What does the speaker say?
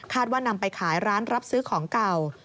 ว่านำไปขายร้านรับซื้อของเก่า